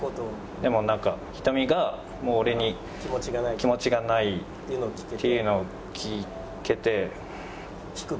でも瞳がもう俺に気持ちがないっていうのを聞けて。